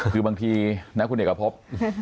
คือบางทีนะครับคุณเด็กอาภพ